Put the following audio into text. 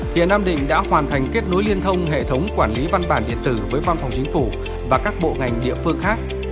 hiện nam định đã hoàn thành kết nối liên thông hệ thống quản lý văn bản điện tử với văn phòng chính phủ và các bộ ngành địa phương khác